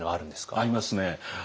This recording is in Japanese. ありますね。